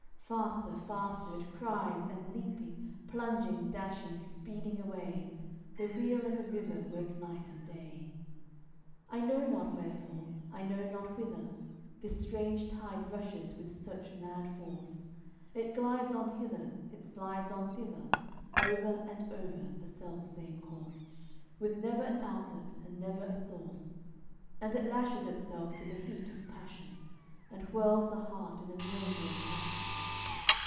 Faster, faster, it cries, and leaping, Plunging, dashing, speeding away, The wheel and the river work night and day. I know not wherefore, I know not whither, This strange tide rushes with such mad force: It glides on hither, it slides on thither, Over and over the selfsame course, With never an outlet and never a source; And it lashes itself to the heat of passion And whirls the heart in a mill wheel fashion.